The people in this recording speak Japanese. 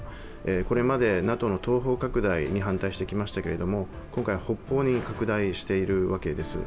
これまでＮＡＴＯの東方拡大に反対してきましたけれども、今回、北方に拡大しているわけです